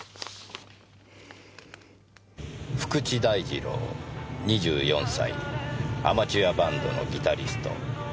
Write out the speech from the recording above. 「福地大二郎２４歳アマチュアバンドのギタリスト」